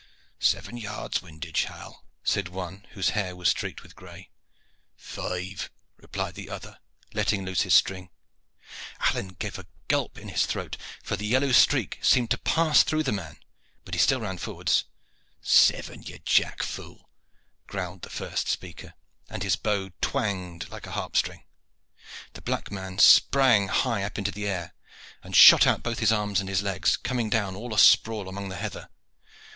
"Seven yards windage, Hal," said one, whose hair was streaked with gray. "Five," replied the other, letting loose his string. Alleyne gave a gulp in his throat, for the yellow streak seemed to pass through the man; but he still ran forward. "Seven, you jack fool," growled the first speaker, and his bow twanged like a harp string. The black man sprang high up into the air, and shot out both his arms and his legs, coming down all a sprawl among the heather.